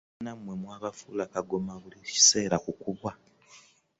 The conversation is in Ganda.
Bannammwe mwabafuula kagoma buli kiseera kukubwa.